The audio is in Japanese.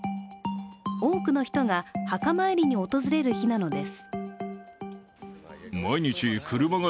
多くの人が墓参りに訪れる日なのです。